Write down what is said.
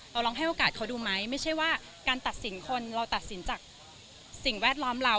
ลองให้โอกาสเขาดูไหมไม่ใช่ว่าการตัดสินคนเราตัดสินจากสิ่งแวดล้อมเรา